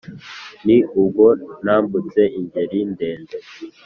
Ni ubwo nambutse ingeri ndende.